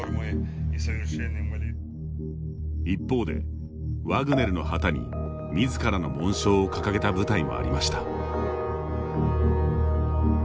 一方で、ワグネルの旗にみずからの紋章を掲げた部隊もありました。